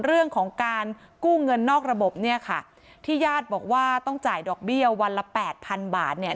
เรื่องของการกู้เงินนอกระบบเนี่ยค่ะที่ญาติบอกว่าต้องจ่ายดอกเบี้ยวันละแปดพันบาทเนี่ย